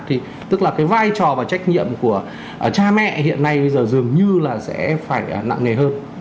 thì tức là cái vai trò và trách nhiệm của cha mẹ hiện nay bây giờ dường như là sẽ phải nặng nề hơn